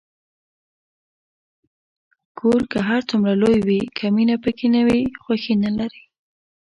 کور که هر څومره لوی وي، که مینه پکې نه وي، خوښي نلري.